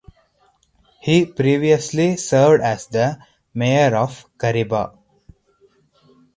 He previously served as the Mayor of Kariba.